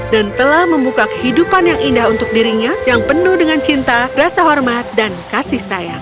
dan telah membuka kehidupan yang indah untuk dirinya yang penuh dengan cinta rasa hormat dan kasih sayang